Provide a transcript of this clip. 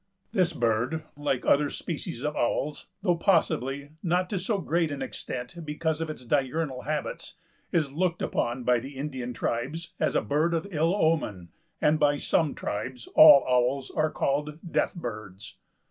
This bird, like the other species of owls, though possibly not to so great an extent because of its diurnal habits, is looked upon by the Indian tribes as a bird of ill omen and by some tribes all owls are called "death birds."